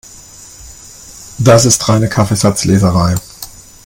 Das ist reine Kaffeesatzleserei.